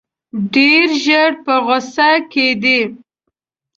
ډېر ژر په غوسه کېدی.